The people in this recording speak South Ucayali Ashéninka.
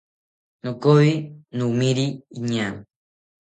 Nokoyi nomiri iñaa